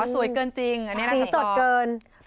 อ๋อสวยเกินจริงอันนี้น่าจะพอ